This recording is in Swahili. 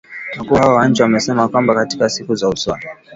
Wakuu hao wa nchi wamesema kwamba katika siku za usoni